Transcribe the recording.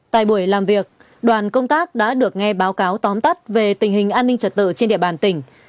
tại buổi làm việc đoàn công tác đã được nghe báo cáo tóm tắt về tình hình an ninh trật tự trên địa bàn tỉnh